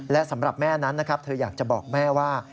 และสำหรับแม่นั้นนะครับเธออยากจะบอกแม่ว่า